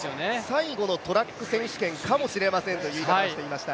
最後のトラック選手権かもしれませんと言っていました。